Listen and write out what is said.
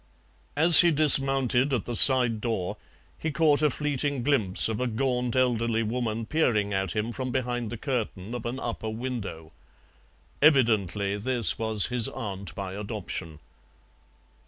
As he dismounted at the side door he caught a fleeting glimpse of a gaunt, elderly woman peering at him from behind the curtain of an upper window. Evidently this was his aunt by adoption.